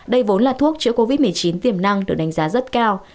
đây vốn là thuốc chữa covid một mươi chín tiềm năng được đánh giá rất cao